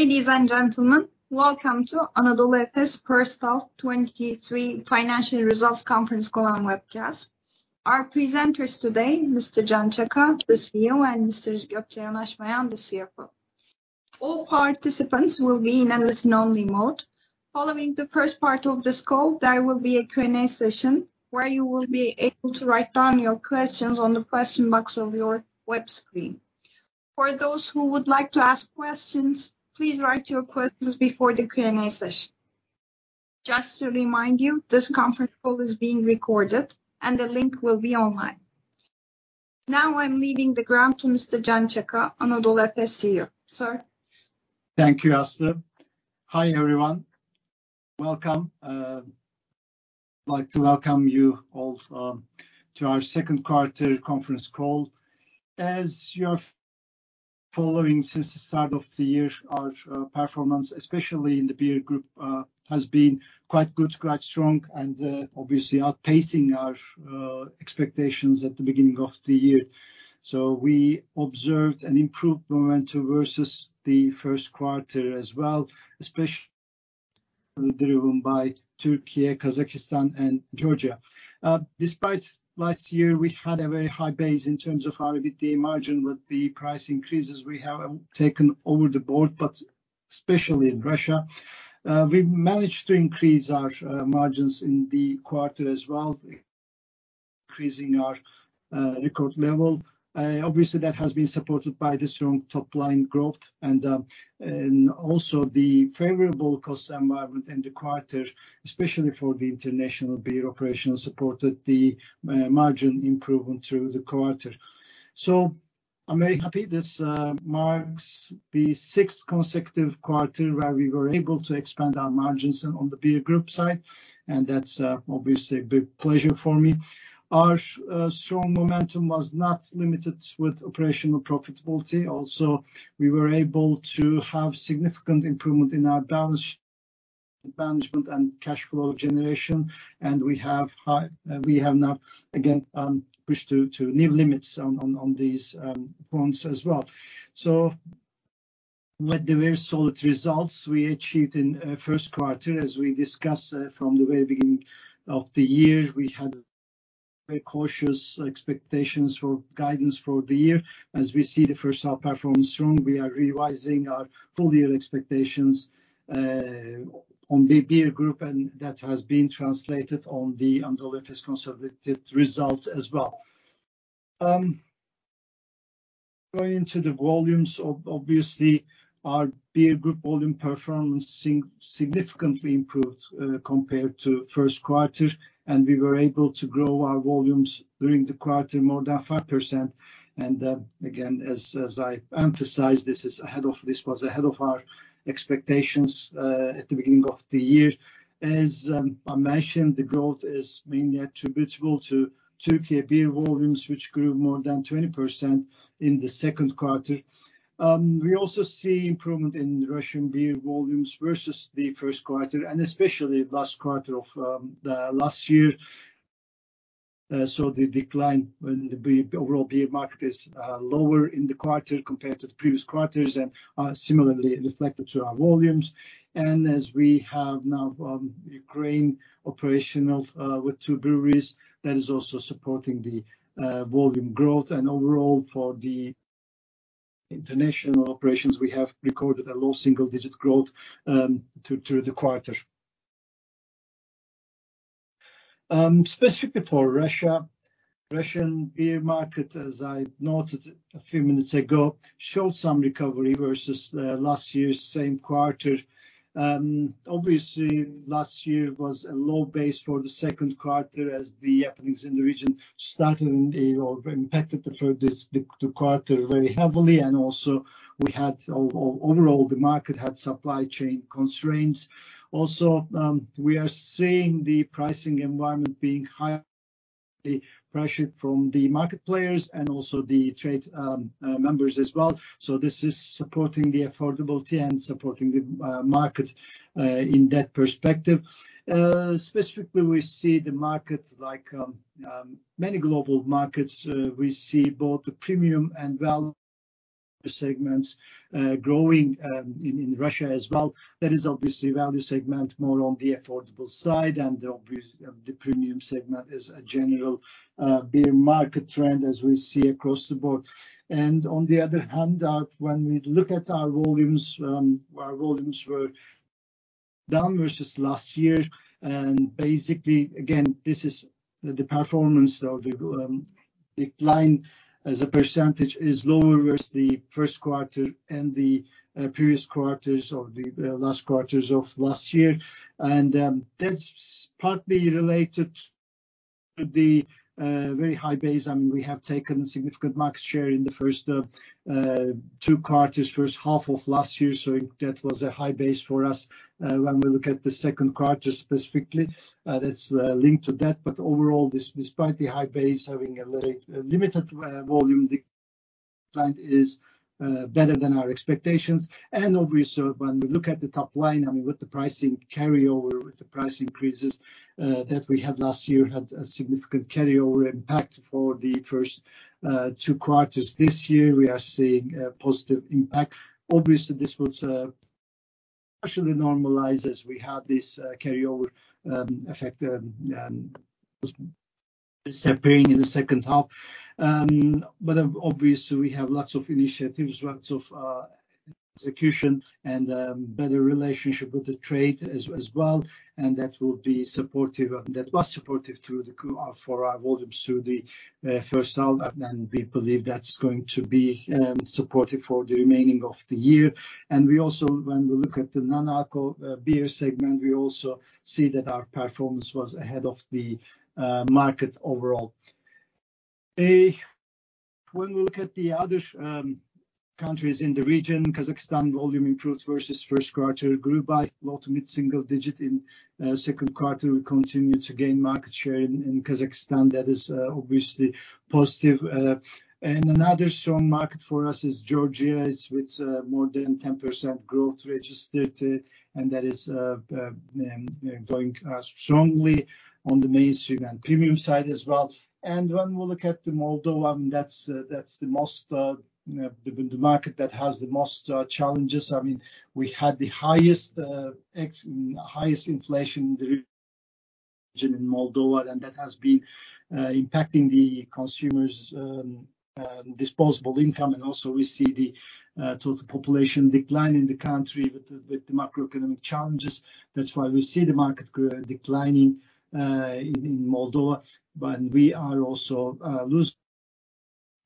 Ladies and gentlemen, welcome to Anadolu Efes First Half '23 Financial Results Conference Call and Webcast. Our presenters today, Mr. Can Çaka, the CEO, and Mr. Gökçe Yanaşmayan, the CFO. All participants will be in a listen-only mode. Following the first part of this call, there will be a Q&A session where you will be able to write down your questions on the question box of your web screen. For those who would like to ask questions, please write your questions before the Q&A session. Just to remind you, this conference call is being recorded and the link will be online. Now, I'm leaving the ground to Mr. Can Çaka, Anadolu Efes CEO. Sir? Thank you, Aslı. Hi, everyone. Welcome. I'd like to welcome you all to our second quarter conference call. As you're following since the start of the year, our performance, especially in the beer group, has been quite good, quite strong, and obviously outpacing our expectations at the beginning of the year. We observed an improved momentum versus the first quarter as well, especially driven by Türkiye, Kazakhstan, and Georgia. Despite last year, we had a very high base in terms of our EBITDA margin with the price increases we have taken over the board, but especially in Russia. We managed to increase our margins in the quarter as well, increasing our record level. Obviously, that has been supported by the strong top-line growth and also the favorable cost environment in the quarter, especially for the international beer operations, supported the margin improvement through the quarter. I'm very happy. This marks the sixth consecutive quarter where we were able to expand our margins on the beer group side, and that's obviously a big pleasure for me. Our strong momentum was not limited with operational profitability. Also, we were able to have significant improvement in our balance, management, and cash flow generation, and we have high-- we have now again pushed to new limits on these points as well. With the very solid results we achieved in first quarter, as we discussed from the very beginning of the year, we had very cautious expectations for guidance for the year. As we see the first half performance strong, we are revising our full year expectations on the beer group, and that has been translated on the Anadolu Efes consolidated results as well. Going to the volumes, obviously, our beer group volume performance significantly improved compared to first quarter, and we were able to grow our volumes during the quarter more than 5%. Again, as I emphasized, this was ahead of our expectations at the beginning of the year. As I mentioned, the growth is mainly attributable to Türkiye beer volumes, which grew more than 20% in the second quarter. We also see improvement in Russian beer volumes versus the first quarter, and especially last quarter of the last year. The decline in the beer, overall beer market is lower in the quarter compared to the previous quarters and similarly reflected to our volumes. As we have now Ukraine operational, with two breweries, that is also supporting the volume growth. Overall, for the international operations, we have recorded a low single-digit growth through, through the quarter. Specifically for Russia, Russian beer market, as I noted a few minutes ago, showed some recovery versus last year's same quarter. Obviously, last year was a low base for the second quarter, as the happenings in the region started in the... Impacted the, the, the quarter very heavily, and also we had overall, the market had supply chain constraints. Also, we are seeing the pricing environment being highly pressured from the market players and also the trade members as well. This is supporting the affordability and supporting the market in that perspective. Specifically, we see the markets like many global markets, we see both the premium and value segments growing in Russia as well. That is obviously value segment more on the affordable side, and obviously, the premium segment is a general beer market trend as we see across the board. On the other hand, when we look at our volumes, our volumes were down versus last year, and basically, again, this is the performance of the decline as a percentage is lower versus the first quarter and the previous quarters of the last quarters of last year. That's partly related to the very high base. I mean, we have taken significant market share in the first two quarters, first half of last year, so that was a high base for us. When we look at the second quarter specifically, that's linked to that, but overall, despite the high base, having a limited volume, the client is better than our expectations. Obviously, when we look at the top line, I mean, with the pricing carryover, with the price increases that we had last year, had a significant carryover impact for the first 2 quarters. This year, we are seeing a positive impact. Obviously, this was actually normalize as we had this carryover effect separating in the second half. Obviously, we have lots of initiatives, lots of execution and better relationship with the trade as well, and that will be supportive, and that was supportive for our volumes through the first half. We believe that's going to be supportive for the remaining of the year. We also, when we look at the non-alcohol beer segment, we also see that our performance was ahead of the market overall. When we look at the other countries in the region, Kazakhstan volume improved versus first quarter, grew by low to mid-single digit. In second quarter, we continued to gain market share in Kazakhstan. That is obviously positive. Another strong market for us is Georgia. It's with more than 10% growth registered to, that is going strongly on the mainstream and premium side as well. When we look at the Moldova, that's that's the most the market that has the most challenges. I mean, we had the highest highest inflation in the region, in Moldova, that has been impacting the consumers' disposable income. Also we see the total population decline in the country with the macroeconomic challenges. That's why we see the market declining in Moldova. We are also losing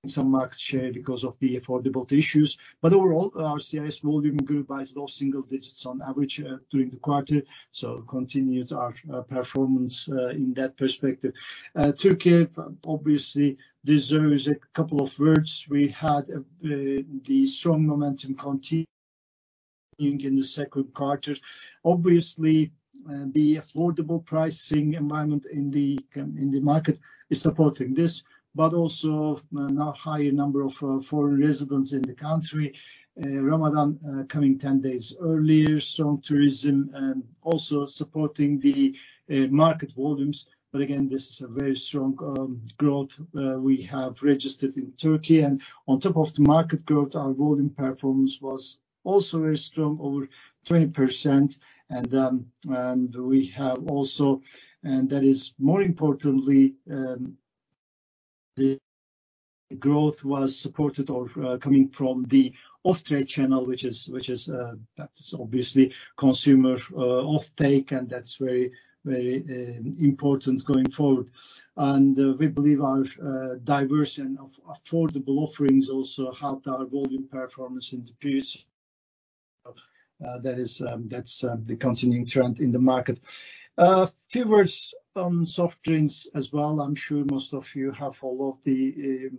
some market share because of the affordable issues. Overall, our CIS volume grew by low single digits on average during the quarter, continued our performance in that perspective. Türkiye obviously deserves a couple of words. We had the strong momentum continuing in the second quarter. Obviously, the affordable pricing environment in the market is supporting this, but also, now, higher number of foreign residents in the country, Ramadan coming 10 days earlier, strong tourism, also supporting the market volumes. Again, this is a very strong growth we have registered in Türkiye. On top of the market growth, our volume performance was also very strong, over 20%. We have also... That is more importantly, the growth was supported or coming from the off-trade channel, which is, which is, that's obviously consumer offtake, and that's very, very important going forward. We believe our diversion of affordable offerings also helped our volume performance in the period. That is that's the continuing trend in the market. A few words on soft drinks as well. I'm sure most of you have followed the,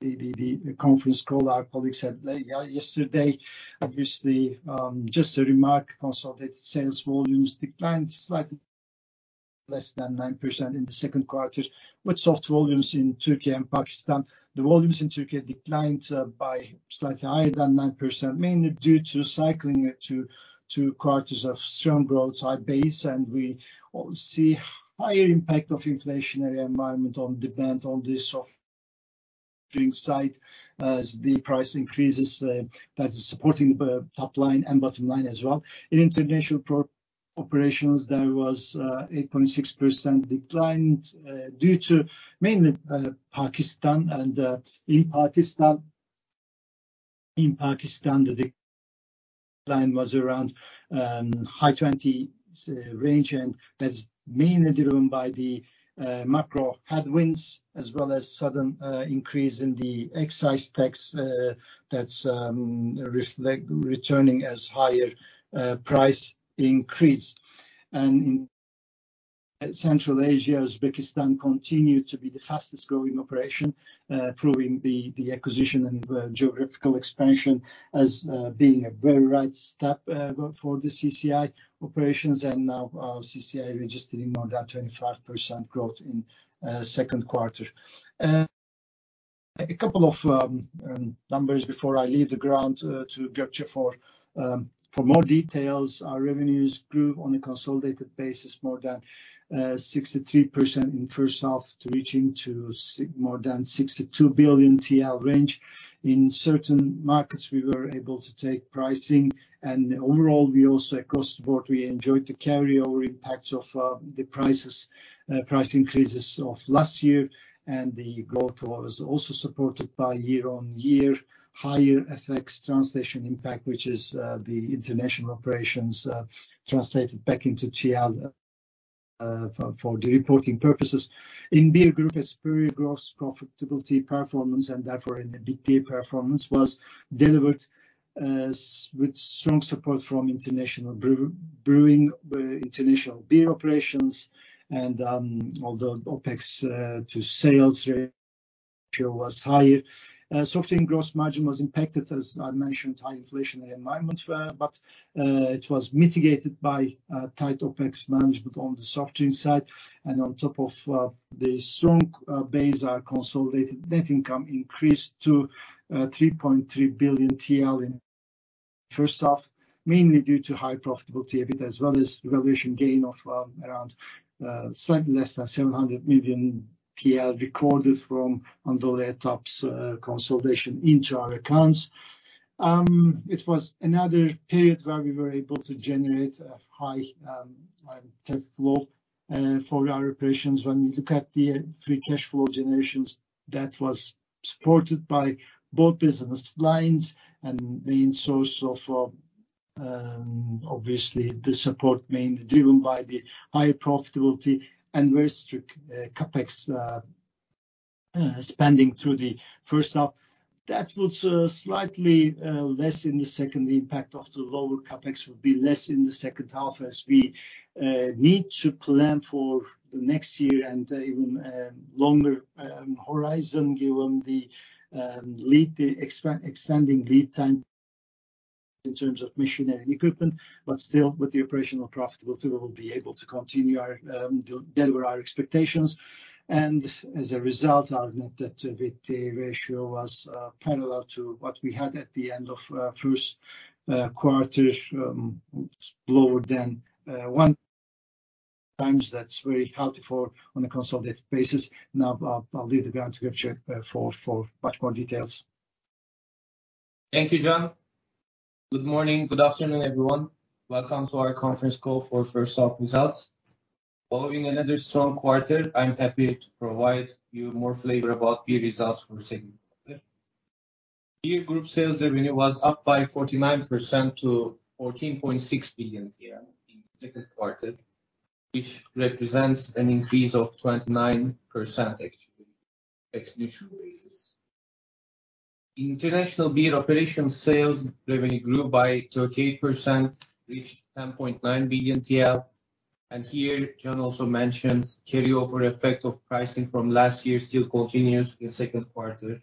the, the conference call our colleagues had yesterday. Just a remark, consolidated sales volumes declined slightly, less than 9% in the second quarter, with soft volumes in Türkiye and Pakistan. The volumes in Türkiye declined, by slightly higher than 9%, mainly due to cycling it to 2 quarters of strong growth high base, and we see higher impact of inflationary environment on demand on the soft drink side as the price increases, that is supporting the top line and bottom line as well. In international operations, there was 8.6% decline due to mainly Pakistan. In Pakistan, in Pakistan, the decline was around high 20s range, and that's mainly driven by the macro headwinds, as well as sudden increase in the excise tax, that's returning as higher price increase. In Central Asia, Uzbekistan continued to be the fastest-growing operation, proving the, the acquisition and geographical expansion as being a very right step for the CCI operations. Now our CCI registering more than 25% growth in second quarter. A couple of numbers before I leave the ground to Gökçe for more details. Our revenues grew on a consolidated basis, more than 63% in first half to reaching to more than TL 62 billion range. In certain markets, we were able to take pricing, and overall, we also, across the board, we enjoyed the carryover impact of the prices, price increases of last year, and the growth was also supported by year-on-year higher FX translation impact, which is the international operations, translated back into TL, for the reporting purposes. In beer group, a superior gross profitability performance, and therefore in the EBITDA performance, was delivered with strong support from international brewing, international beer operations. Although OpEx to sales ratio was higher, soft drink gross margin was impacted, as I mentioned, high inflationary environments were. But it was mitigated by tight OpEx management on the soft drink side. On top of the strong base, our consolidated net income increased to TL 3.3 billion in first half, mainly due to high profitability EBIT, as well as valuation gain of around slightly less than TL 700 million, recorded from Anadolu Etap consolidation into our accounts. It was another period where we were able to generate a high cash flow for our operations. When we look at the free cash flow generations, that was supported by both business lines and the main source of obviously, the support mainly driven by the high profitability and very strict CapEx spending through the first half. That was slightly less in the second impact of the lower CapEx will be less in the second half as we need to plan for the next year and even longer horizon, given the extending lead time in terms of machinery and equipment. Still, with the operational profitability, we will be able to continue our deliver our expectations. As a result, our net debt-to-EBITDA ratio was parallel to what we had at the end of first quarter, lower than 1 time. That's very healthy for on a consolidated basis. Now, I'll leave the ground to Gökçe for much more details. Thank you, Can. Good morning. Good afternoon, everyone. Welcome to our conference call for first half results. Following another strong quarter, I'm happy to provide you more flavor about beer results for the second quarter. Beer group sales revenue was up by 49% to TL 14.6 billion in the second quarter, which represents an increase of 29%, actually, FX-neutral basis. International beer operations sales revenue grew by 38%, reached TL 10.9 billion. Here, Can also mentioned, carryover effect of pricing from last year still continues in the second quarter.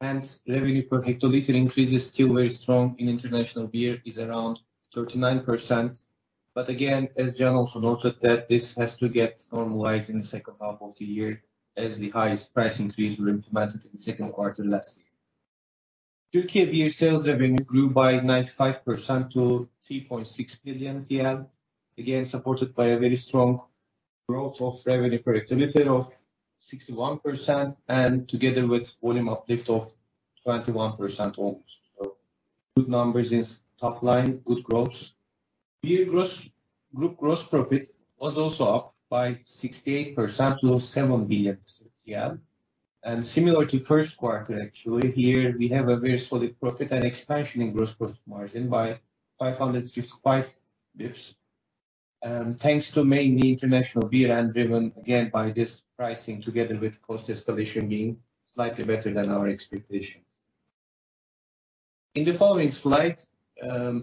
Hence, revenue per hectoliter increase is still very strong in international beer, is around 39%. Again, as Can also noted, that this has to get normalized in the second half of the year as the highest price increase were implemented in the second quarter last year. Türkiye beer sales revenue grew by 95% to TL 3.6 billion, again, supported by a very strong growth of revenue per hectoliter of 61%, together with volume uplift of 21% almost. Good numbers in top line, good growth. Group gross profit was also up by 68% to TL 7 billion. Similar to first quarter, actually, here we have a very solid profit and expansion in gross profit margin by 555 basis points. Thanks to mainly international beer, driven again by this pricing, together with cost escalation being slightly better than our expectations. In the following slide,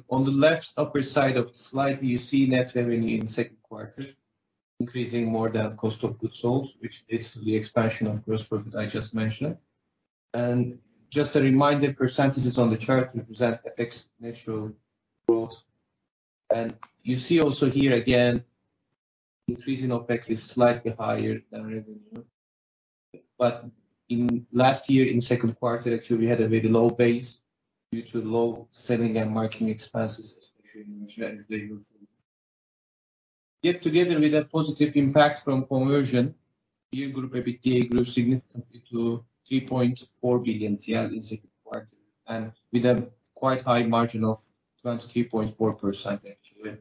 on the left upper side of the slide, you see net revenue in the second quarter, increasing more than cost of goods sold, which leads to the expansion of gross profit I just mentioned. Just a reminder, % on the chart represent FX-neutral growth. You see also here, again, increase in OpEx is slightly higher than revenue, but in last year, in second quarter, actually, we had a very low base due to low selling and marketing expenses, especially in Russia. Yet together with a positive impact from conversion, beer group EBITDA grew significantly to TL 3.4 billion in second quarter, and with a quite high margin of 23.4%, actually.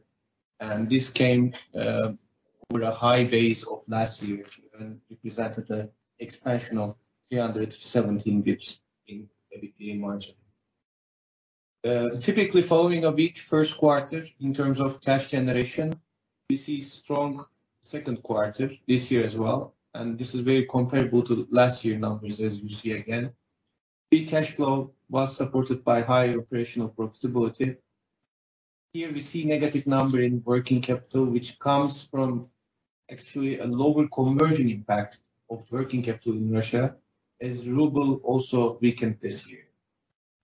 This came with a high base of last year and represented an expansion of 317 bps in EBITDA margin. Typically, following a weak first quarter in terms of cash generation, we see strong second quarter this year as well, and this is very comparable to last year numbers, as you see again. Free cash flow was supported by higher operational profitability. Here we see negative number in working capital, which comes from actually a lower conversion impact of working capital in Russia, as ruble also weakened this year.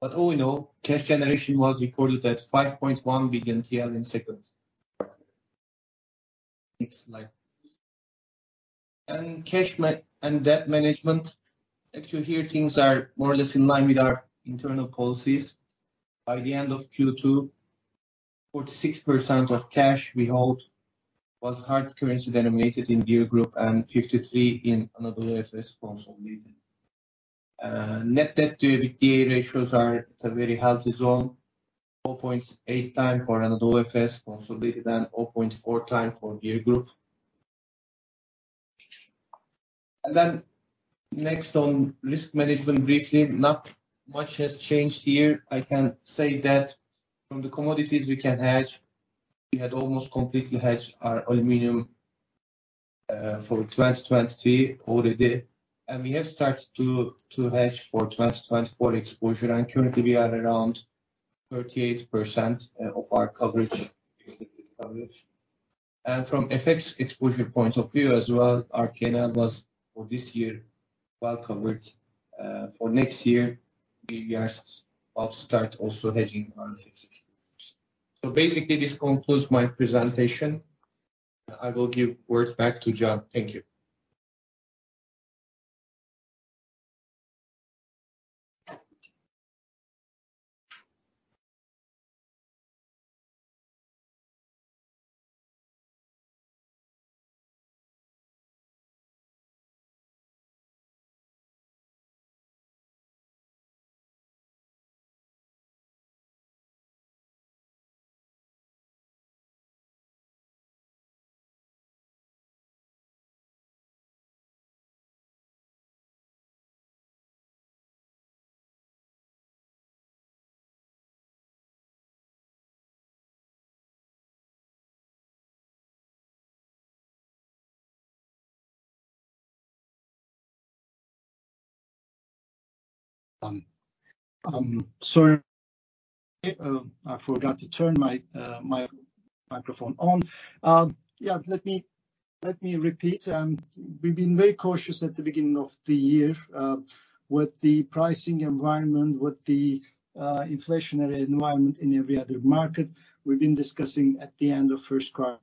All in all, cash generation was recorded at TL 5.1 billion in second. Next slide. Cash and debt management, actually, here things are more or less in line with our internal policies. By the end of Q2, 46% of cash we hold was hard currency denominated in beer group and 53% in Anadolu Efes consolidated. Net debt-to-EBITDA ratios are at a very healthy zone, 4.8 times for Anadolu Efes consolidated and 0.4 times for beer group. Next on risk management, briefly, not much has changed here. I can say that from the commodities we can hedge, we had almost completely hedged our aluminum for 2023 already, and we have started to hedge for 2024 exposure, and currently we are around 38% of our coverage. From FX exposure point of view as well, our P&L was, for this year, well covered. For next year, we are about to start also hedging our FX. Basically, this concludes my presentation. I will give word back to Can. Thank you. ... sorry, I forgot to turn my microphone on., let me, let me repeat. We've been very cautious at the beginning of the year, with the pricing environment, with the inflationary environment in every other market. We've been discussing at the end of first quarter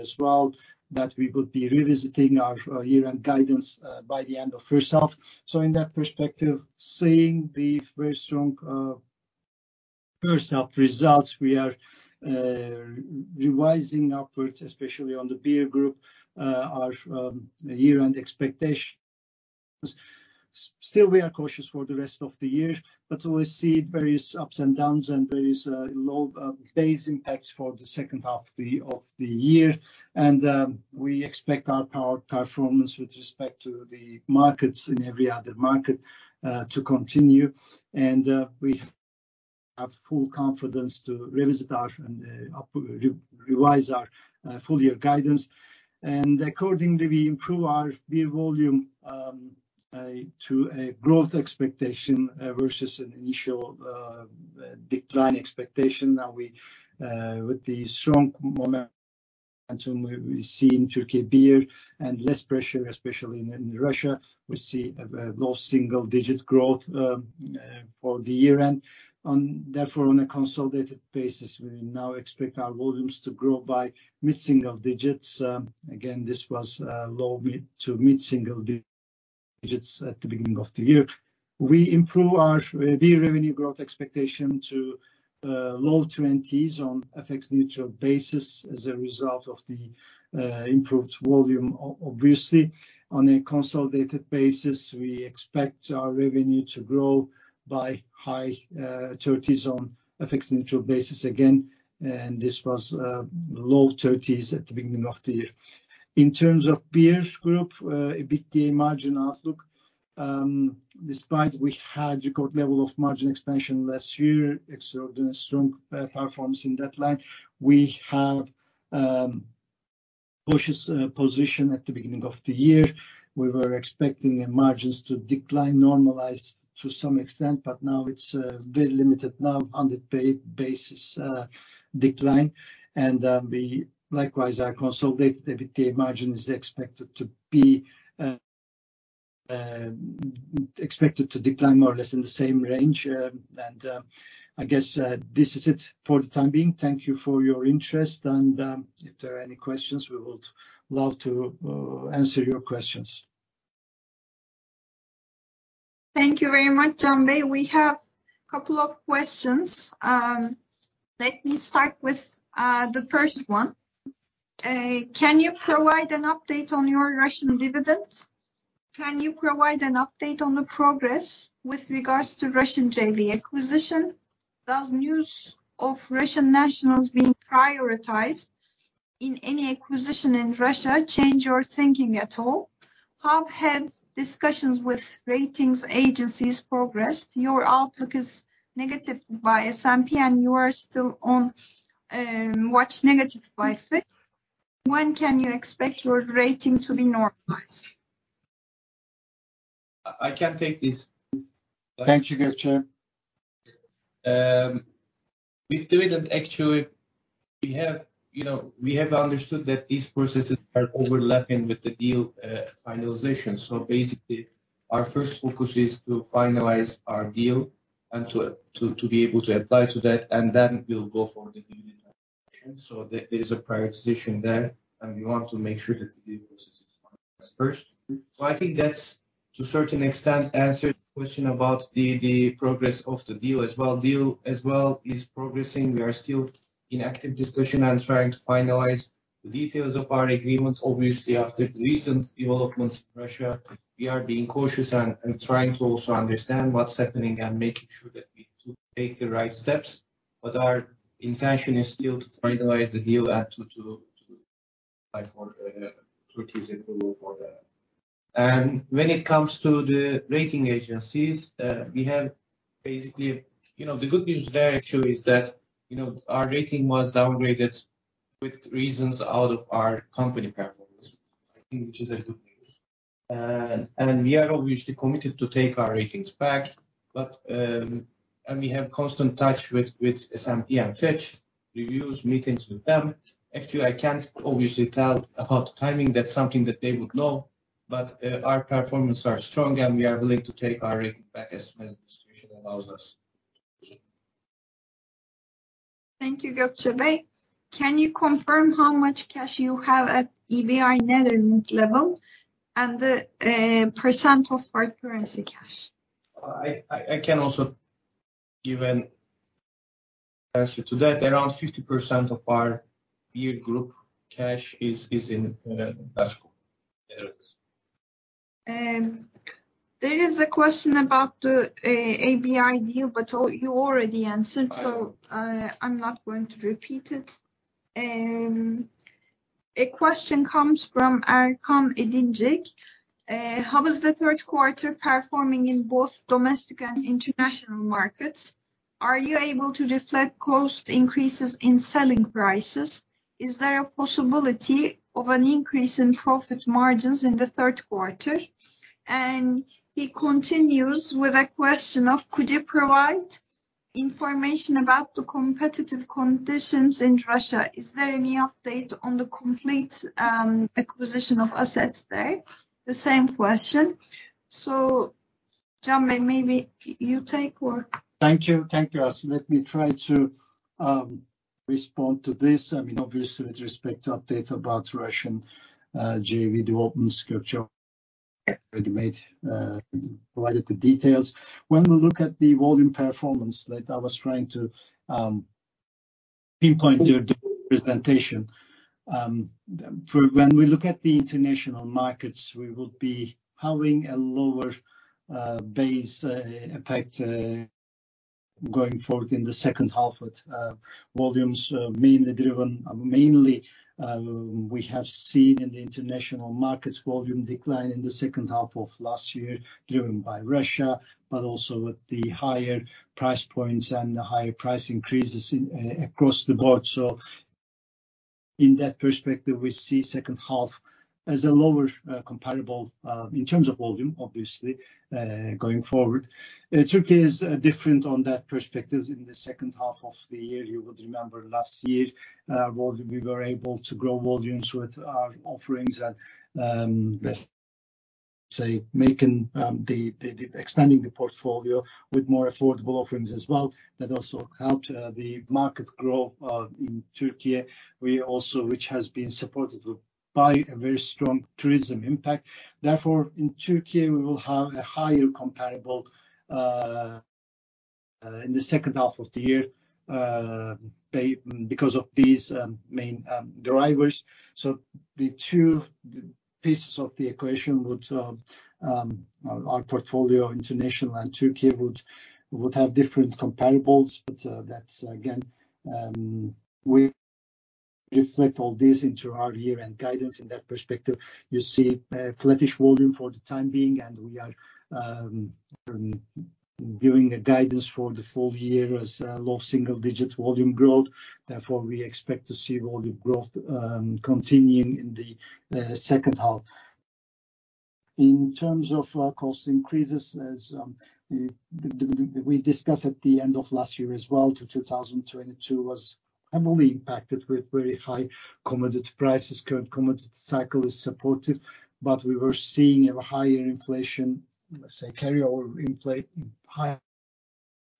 as well, that we would be revisiting our year-end guidance by the end of first half. In that perspective, seeing the very strong first half results, we are revising upwards, especially on the Beer group, our year-end expectation. Still, we are cautious for the rest of the year, but we see various ups and downs, and there is a low base impacts for the second half of the year. We expect our power performance with respect to the markets in every other market to continue. We have full confidence to revisit our and re-revise our full year guidance. Accordingly, we improve our beer volume to a growth expectation versus an initial decline expectation. Now, with the strong momentum we see in Türkiye beer and less pressure, especially in Russia, we see a low single-digit growth for the year end. Therefore, on a consolidated basis, we now expect our volumes to grow by mid-single-digits. Again, this was low-mid to mid-single-digits at the beginning of the year. We improve our beer revenue growth expectation to low 20s on FX-neutral basis as a result of the improved volume. Obviously, on a consolidated basis, we expect our revenue to grow by high 30s on an FX-neutral basis again. This was low 30s at the beginning of the year. In terms of Beer group EBITDA margin outlook, despite we had record level of margin expansion last year, extraordinary strong performance in that line, we have cautious position at the beginning of the year. We were expecting the margins to decline, normalize to some extent, but now it's very limited now on the pay basis decline. Likewise, our consolidated EBITDA margin is expected to be expected to decline more or less in the same range. I guess this is it for the time being. Thank you for your interest, and, if there are any questions, we would love to answer your questions. Thank you very much,. We have a couple of questions. Let me start with the first one. Can you provide an update on your Russian dividend? Can you provide an update on the progress with regards to Russian JV acquisition? Does news of Russian nationals being prioritized in any acquisition in Russia change your thinking at all? How have discussions with ratings agencies progressed? Your outlook is negative by S&P. You are still on watch negative by Fitch. When can you expect your rating to be normalized? I can take this. Thank you, Gökçe. With dividend, actually, we have, you know, we have understood that these processes are overlapping with the deal finalization. Basically, our first focus is to finalize our deal and to, to, to be able to apply to that, and then we'll go for the dividend. There, there is a prioritization there, and we want to make sure that the deal process is finalized first. I think that's, to a certain extent, answered the question about the, the progress of the deal as well. Deal as well is progressing. We are still in active discussion and trying to finalize the details of our agreement. Obviously, after the recent developments in Russia, we are being cautious and, and trying to also understand what's happening and making sure that we do take the right steps, our intention is still to finalize the deal and to, to, to apply for Türkiye's approval for that. When it comes to the rating agencies, we have basically... You know, the good news there, actually, is that, you know, our rating was downgraded with reasons out of our company performance, I think, which is a good news. We are obviously committed to take our ratings back, we have constant touch with, with S&P and Fitch, reviews, meetings with them. Actually, I can't obviously tell about the timing. That's something that they would know, but, our performance are strong, and we are willing to take our rating back as soon as the situation allows us. Thank you, Gökçe. Can you confirm how much cash you have at EBI Netherlands level and the % of foreign currency cash? I can also give.... answer to that, around 50% of our beer group cash is, is in, cash. There is a question about the ABI deal, but you already answered, so I'm not going to repeat it. A question comes from Erkan Edincik: How is the third quarter performing in both domestic and international markets? Are you able to reflect cost increases in selling prices? Is there a possibility of an increase in profit margins in the third quarter? He continues with a question of: Could you provide information about the competitive conditions in Russia? Is there any update on the complete acquisition of assets there? The same question., maybe you take or- Thank you. Thank you, Aslı. Let me try to respond to this. I mean, obviously, with respect to update about Russian JV development, Gökçe already made provided the details. When we look at the volume performance, like I was trying to pinpoint during the presentation, for when we look at the international markets, we would be having a lower base impact going forward in the second half with volumes mainly driven, mainly, we have seen in the international markets, volume decline in the second half of last year, driven by Russia, but also with the higher price points and the higher price increases across the board. In that perspective, we see second half as a lower comparable in terms of volume, obviously, going forward. Turkey is different on that perspective. In the second half of the year, you would remember last year, we were able to grow volumes with our offerings and, let's say, making, expanding the portfolio with more affordable offerings as well. That also helped the market grow in Türkiye. Which has been supported by a very strong tourism impact. Therefore, in Türkiye, we will have a higher comparable in the second half of the year, pay, because of these main drivers. The two pieces of the equation would, our portfolio, international and Türkiye, have different comparables. That's again, we reflect all this into our year-end guidance in that perspective. You see flattish volume for the time being, and we are giving a guidance for the full year as low single-digit volume growth. Therefore, we expect to see volume growth continuing in the second half. In terms of cost increases, as we discussed at the end of last year as well, 2022 was heavily impacted with very high commodity prices. Current commodity cycle is supportive, but we were seeing a higher inflation, let's say, carryover higher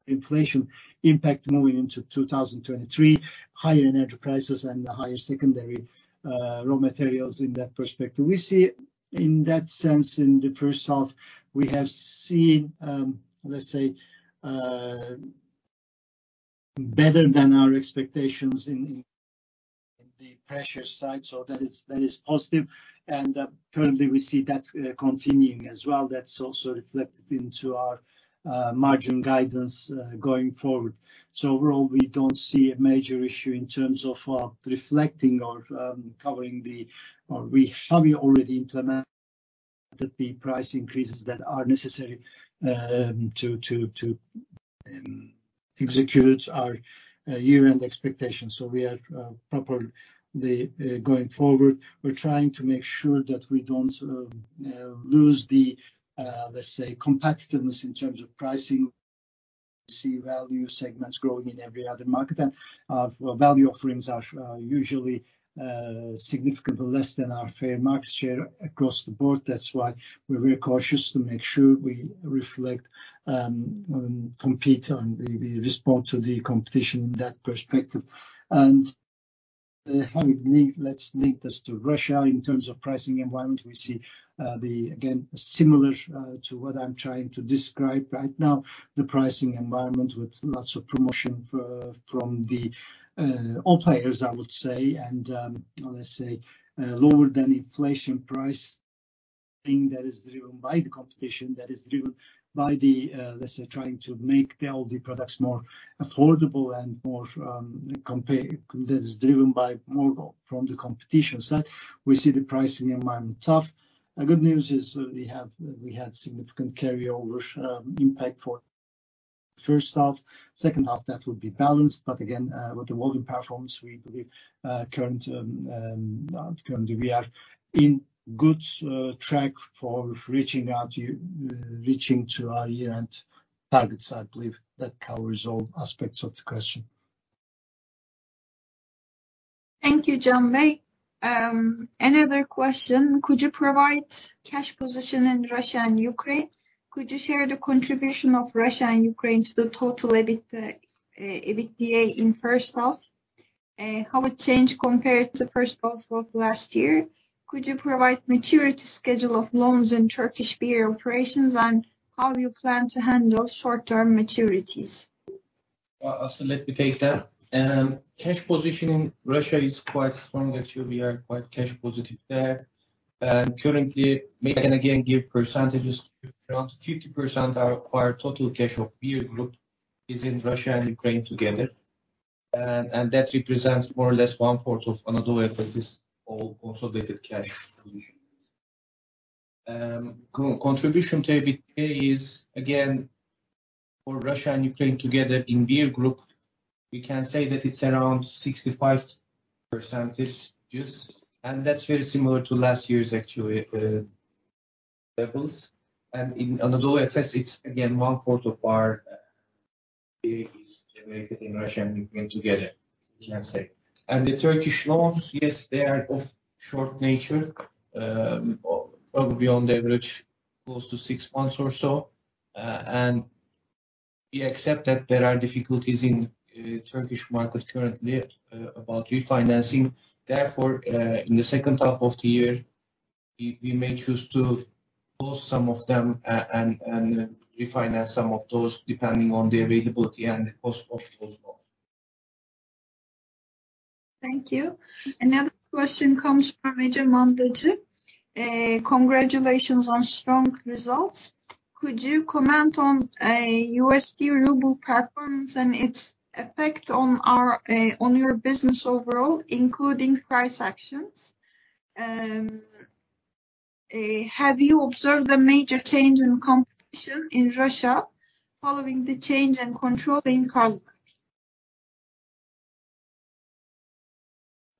inflation impact moving into 2023, higher energy prices and the higher secondary raw materials in that perspective. We see, in that sense, in the first half, we have seen, let's say, better than our expectations in the pressure side. That is, that is positive, and currently, we see that continuing as well. That's also reflected into our margin guidance going forward. Overall, we don't see a major issue in terms of reflecting or covering the... or we have already implemented the price increases that are necessary to execute our year-end expectations. We are properly going forward. We're trying to make sure that we don't lose the, let's say, competitiveness in terms of pricing. We see value segments growing in every other market, and value offerings are usually significantly less than our fair market share across the board. That's why we're very cautious to make sure we reflect compete, and we respond to the competition in that perspective. Let's link this to Russia. In terms of pricing environment, we see, the, again, similar to what I'm trying to describe right now, the pricing environment with lots of promotion for, from the, all players, I would say, and, let's say, lower than inflation price, meaning that is driven by the competition, that is driven by the, let's say, trying to make the LD products more affordable and more, compare- that is driven by more from the competition side. We see the pricing environment tough. Good news is we have, we had significant carryover impact for first half. Second half, that will be balanced, but again, with the volume performance, we believe, current, not currently, we are in good track for reaching out to reaching to our year-end targets. I believe that covers all aspects of the question. Thank you,. Another question: Could you provide cash position in Russia and Ukraine? Could you share the contribution of Russia and Ukraine to the total EBIT, EBITDA in first half, how it changed compared to first quarter of 2022? Could you provide maturity schedule of loans in Turkish beer operations, and how you plan to handle short-term maturities? Aslı, let me take that. Cash position in Russia is quite strong, actually. We are quite cash positive there. Currently, may I again give percentages, around 50% are acquire total cash of beer group is in Russia and Ukraine together. That represents more or less one-fourth of another way, but is all consolidated cash positions. Co-contribution to EBITDA is, again, for Russia and Ukraine together in beer group, we can say that it's around 65%, yes, and that's very similar to last year's actually levels. In Anadolu Efes, it's again, one-fourth of our is generated in Russia and Ukraine together, you can say. The Turkish loans, yes, they are of short nature, probably on the average, close to 6 months or so. We accept that there are difficulties in Turkish market currently about refinancing. Therefore, in the second half of the year, we, we may choose to close some of them and refinance some of those, depending on the availability and the cost of those loans. Thank you. Another question comes from Ece Mandacıoğlu. Congratulations on strong results. Could you comment on USD ruble performance and its effect on your business overall, including price actions? Have you observed a major change in competition in Russia following the change in controlling costs?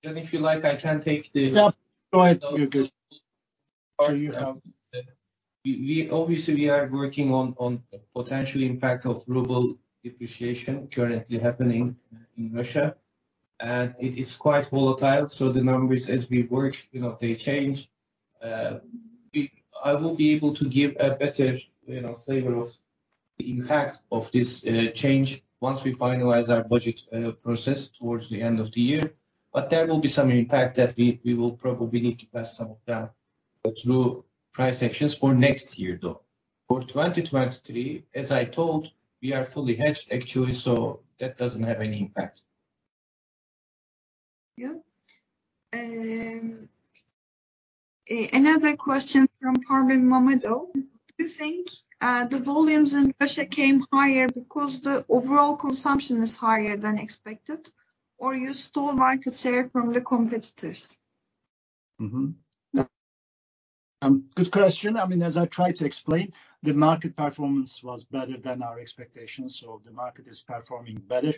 if you like, I can take the., go ahead. You're good. Sure you have. We, we obviously we are working on, on potential impact of ruble depreciation currently happening in Russia, and it is quite volatile, so the numbers as we work, you know, they change. I will be able to give a better, you know, flavor of the impact of this change once we finalize our budget process towards the end of the year, but there will be some impact that we, we will probably need to pass some of that through price actions for next year, though. For 2023, as I told, we are fully hedged, actually, so that doesn't have any impact.. another question from Orhan V.: Do you think the volumes in Russia came higher because the overall consumption is higher than expected, or you stole market share from the competitors? Good question. I mean, as I tried to explain, the market performance was better than our expectations, the market is performing better.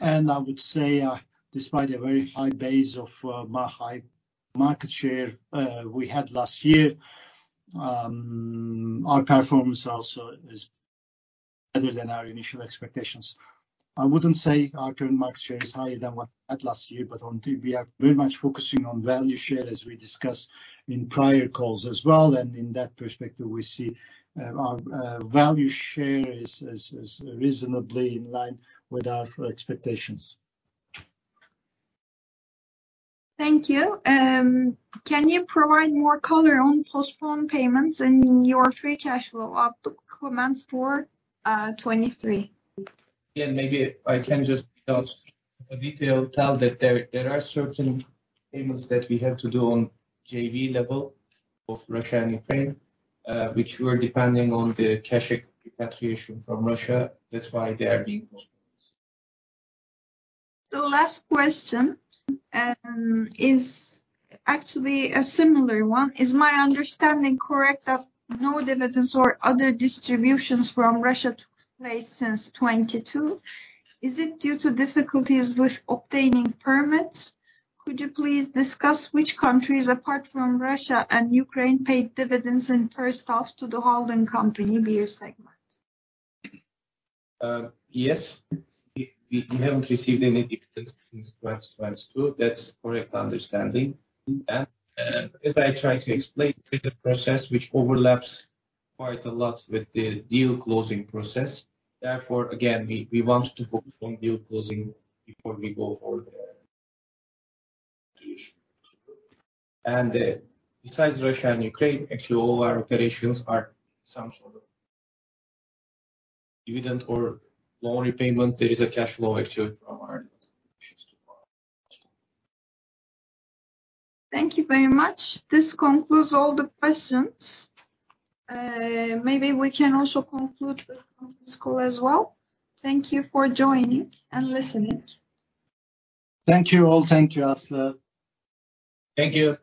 I would say, despite a very high base of, my high market share, we had last year, our performance also is better than our initial expectations. I wouldn't say our current market share is higher than what at last year, but only we are very much focusing on value share, as we discussed in prior calls as well. In that perspective, we see, our, value share is, is, is reasonably in line with our expectations. Thank you. Can you provide more color on postponed payments and your free cash flow output comments for 2023? Maybe I can just, without a detail, tell that there, there are certain payments that we have to do on JV level of Russia and Ukraine, which were depending on the cash repatriation from Russia. That's why they are being postponed. The last question, is actually a similar one. Is my understanding correct that no dividends or other distributions from Russia took place since 2022? Is it due to difficulties with obtaining permits? Could you please discuss which countries, apart from Russia and Ukraine, paid dividends in first half to the holding company beer segment? Yes, we, we haven't received any dividends since 2022. That's correct understanding. As I tried to explain, it's a process which overlaps quite a lot with the deal closing process. Therefore, again, we, we want to focus on deal closing before we go for the. Besides Russia and Ukraine, actually, all our operations are some sort of dividend or loan repayment. There is a cash flow, actually, from our operations. Thank you very much. This concludes all the questions. Maybe we can also conclude the conference call as well. Thank you for joining and listening. Thank you, all. Thank you, Aslı. Thank you!